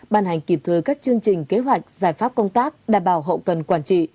bàn hành kịp thuê các chương trình kế hoạch giải pháp công tác đảm bảo hậu cần quản trị